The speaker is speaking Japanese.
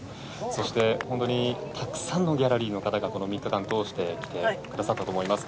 そして本当にたくさんのギャラリーの方がこの３日間通して来てくださったと思います。